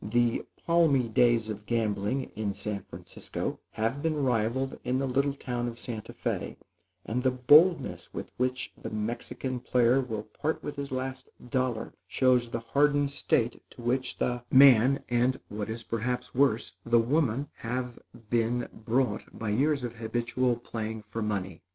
The palmy days of gambling, in San Francisco, have been rivaled in the little town of Santa Fé, and the boldness with which the Mexican player will part with his last dollar, shows the hardened state to which the man, and, what is perhaps worse, the woman, have been brought, by years of habitual playing for money.